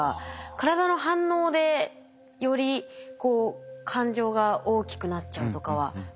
体の反応でより感情が大きくなっちゃうとかはありましたね。